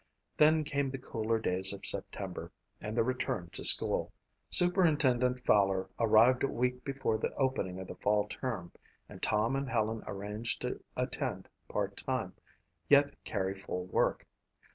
Then came the cooler days of September and the return to school. Superintendent Fowler arrived a week before the opening of the fall term and Tom and Helen arranged to attend part time, yet carry full work.